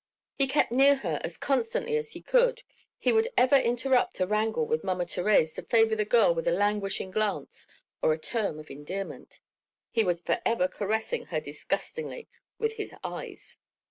He kept near her as constantly as he could, he would even interrupt a wrangle with Mama Thérèse to favour the girl with a languishing glance or a term of endearment; he was forever caressing her disgustingly with his eyes.